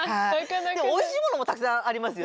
でもおいしいものもたくさんありますよね。